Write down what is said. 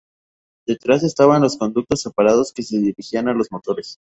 Detrás, estaban los conductos separados que se dirigían a los motores.